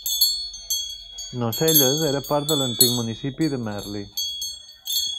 Nocelles era part de l'antic municipi de Merli.